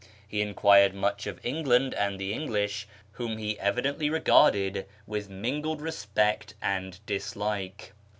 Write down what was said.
He enquired much of England and the iMiulish, whom he evidently regarded with mingled respect and dislike.